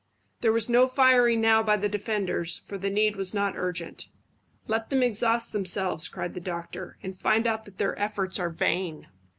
There was no firing now by the defenders, for the need was not urgent. "Let them exhaust themselves," cried the doctor, "and find out that their efforts are vain."